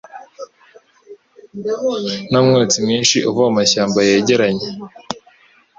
numwotsi mwinshi uva mumashyamba yegeranye